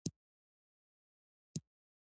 زغال د افغانستان طبعي ثروت دی.